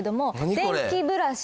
電気ブラシ？